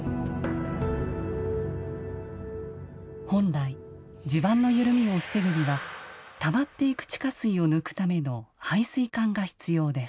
本来地盤の緩みを防ぐにはたまっていく地下水を抜くための排水管が必要です。